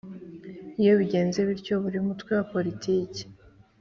Iyo bigenze bityo buri mutwe wa politiki